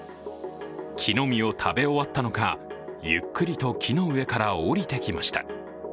木の実を食べ終わったのかゆっくりと木の上から降りてきました。